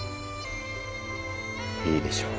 いいでしょう。